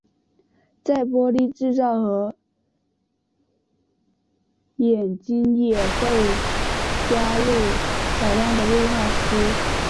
在玻璃制造和冶金也会加入少量的氯化锶。